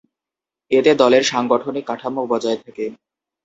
এতে দলের সাংগঠনিক কাঠামো বজায় থাকে।